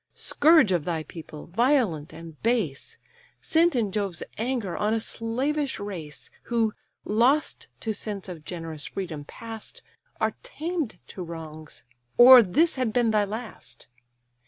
Scourge of thy people, violent and base! Sent in Jove's anger on a slavish race; Who, lost to sense of generous freedom past, Are tamed to wrongs;—or this had been thy last.